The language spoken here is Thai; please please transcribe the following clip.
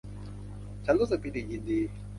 ฉันรู้สึกปิติยินดี